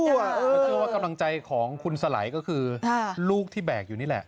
ก็คือว่ากำลังใจของคุณรุ้นก็คือลูกที่แบกอยู่นี่แล้ว